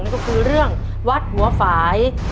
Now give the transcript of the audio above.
ก็คือเรื่องวัดหัวฝ่าย